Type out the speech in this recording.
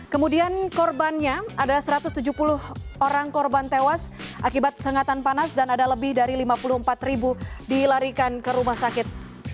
kemudian korbannya ada satu ratus tujuh puluh orang korban tewas akibat sengatan panas dan ada lebih dari lima puluh empat ribu dilarikan ke rumah sakit